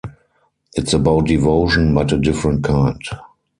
It's about devotion but a different kind.